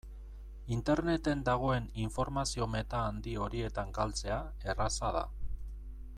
Interneten dagoen informazio-meta handi horietan galtzea erraza da.